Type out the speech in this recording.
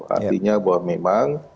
artinya bahwa memang